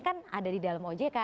kan ada di dalam ojk